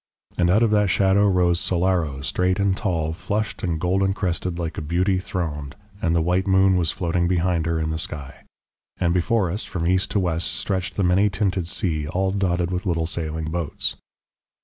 And out of that shadow rose Solaro straight and tall, flushed and golden crested, like a beauty throned, and the white moon was floating behind her in the sky. And before us from east to west stretched the many tinted sea all dotted with little sailing boats.